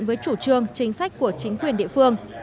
với chủ trương chính sách của chính quyền địa phương